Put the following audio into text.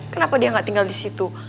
kenapa dia nggak tinggal di situ